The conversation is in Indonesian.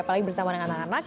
apalagi bersama dengan anak anak